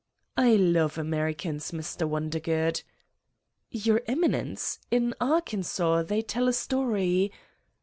." "I love Americans, Mr. Wondergood." "Your Eminence! In Arkansas they tell a story.